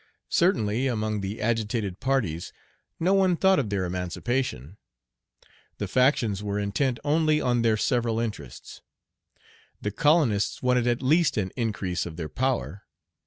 Certainly, among the agitated parties, no one thought of their emancipation. The factions were intent only on their several interests. The colonists wanted at least an increase of their power.